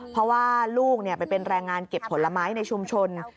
เพราะว่าลูกไปเป็นแรงงานเก็บผลไม้ในชุมชน